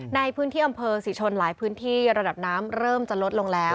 ในพื้นที่อำเภอศรีชนหลายพื้นที่ระดับน้ำเริ่มจะลดลงแล้ว